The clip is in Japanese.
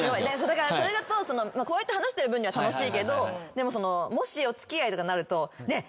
だからそれだとこうやって話してる分には楽しいけどもしお付き合いとかなると。